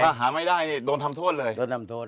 ถ้าหาไม่ได้นี่โดนทำโทษเลยโดนทำโทษ